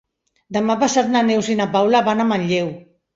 Demà passat na Neus i na Paula van a Manlleu.